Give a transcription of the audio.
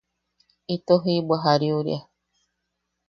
Ito jiʼibwa jariuria.